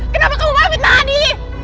kenapa kamu mau fitnah adi